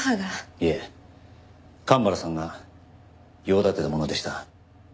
いえ神原さんが用立てたものでした。